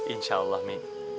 insya allah mi